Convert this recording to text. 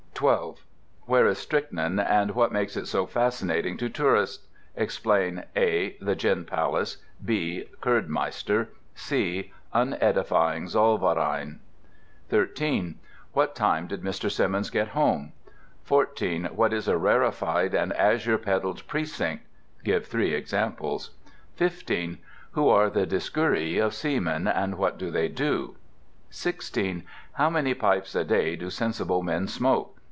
12. Where is Strychnine, and what makes it so fascinating to the tourist? Explain (a) The Gin Palace (b) Kurdmeister (c) unedifying Zollverein 13. What time did Mr. Simmons get home? 14. What is a "rarefied and azure pedalled precinct?" Give three examples. 15. Who are the Dioscuri of Seamen, and what do they do? 16. How many pipes a day do sensible men smoke?